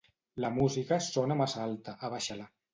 La música sona massa alta, abaixa-la.